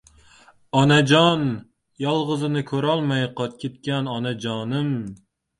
— Onajon! Yolg‘izini ko‘rolmay ketgan onajonim!